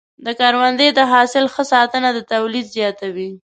د کروندې د حاصل ښه ساتنه د تولید زیاتوي.